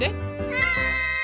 はい！